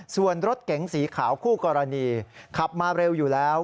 ส่วนรถเก๋งสีขาวคู่กรณีขับมาเร็วอยู่แล้ว